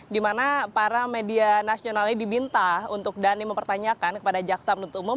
di mana para media nasional ini diminta untuk dhani mempertanyakan kepada jaksa penuntut umum